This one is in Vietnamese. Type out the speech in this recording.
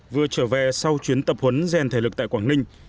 vừa trở về sau chuyến tập huấn gen thể lực tại quảng ninh